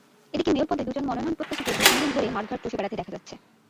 এদিকে মেয়র পদে দুজন মনোনয়নপ্রত্যাশীকে দু-তিন দিন ধরে মাঠঘাট চষে বেড়াতে দেখা যাচ্ছে।